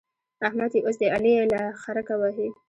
احمد يې اوس د علي له خرکه وهي.